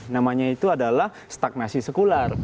namanya itu adalah stagnasi sekular